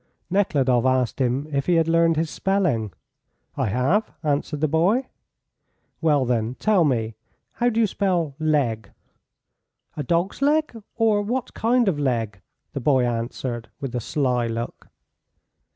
Nekhludoff asked him if he had learned his spelling. "I have," answered the boy. "Well, then, tell me, how do you spell 'leg'?" "A dog's leg, or what kind of leg?" the boy answered, with a sly look.